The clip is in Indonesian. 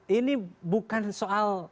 ini bukan soal